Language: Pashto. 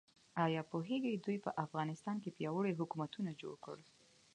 ایا پوهیږئ دوی په افغانستان کې پیاوړي حکومتونه جوړ کړل؟